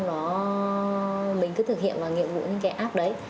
đó mình cứ thực hiện vào nhiệm vụ những cái app đấy